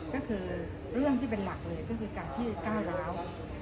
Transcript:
ก็คือเรื่องที่เป็นหลักเลยก็คือการที่ก้าวร้าว